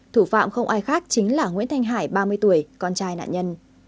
thủ phạm không ai khác chính là nguyễn thanh hải ba mươi tuổi con trai nạn nhân